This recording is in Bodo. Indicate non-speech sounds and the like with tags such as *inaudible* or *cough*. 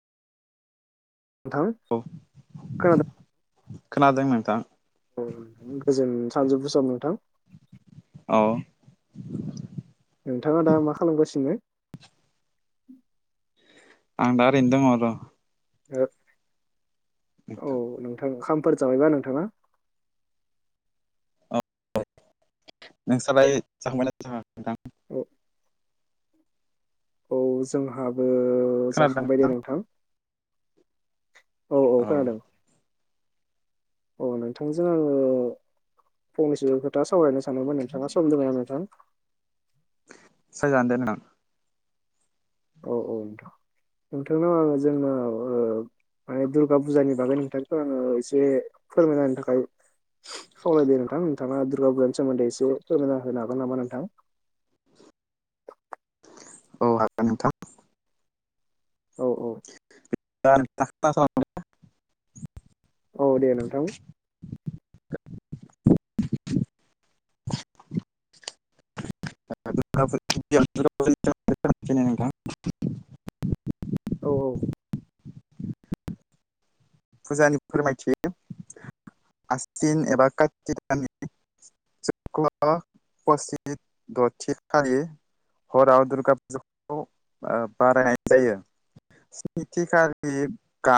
नोंथां औ खोनादों? खोनादों नोंथां। औ गोजोन सानजुफुसम नोंथां। औ नोंथाङा दा मा खालामगासिनो? आं दा आरैनो दं र। ओब औ नोंथां नोंथां ओंखामफोर जाबायबा नोंथाङा? बाय नोंस्रालाय जाखांबाय नामा नोंथां? औ औ जोंहाबो जाखांबाय दे नोंथां। औ औ खोनादों औ नोंथांजों आङो फंनैसो खोथा सावरायनो सानदोंमोन नोंथाङा समदों ना नोंथां? सागन दे नोंथां। औ औ नोंथां नोंथांनाव आङो जोंना ओ माने दुर्गा फुजानि बागै नोंथांखौ आङो एसे फोरमायलायनो थाखाय खावलायदो नोंथां नोंथाङा दुर्गा पुजानिनि सोमोन्दै एसे फोरमायना होनो हागोन नामा नोंथां? औ हागोन नोंथां। औ औ *unintelligible* औ दे नोंथां *unintelligible* औ औ फुजानि फोरमायथि *unintelligible* आसिन एबा काति दाननि *unintelligible* हराव दुर्गा फुजाखौ बारायनाय जायो स्निथि खालि